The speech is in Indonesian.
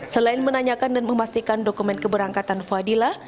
selain menanyakan dan memastikan dokumen keberangkatan fadila